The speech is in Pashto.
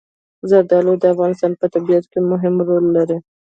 زردالو د افغانستان په طبیعت کې مهم رول لري.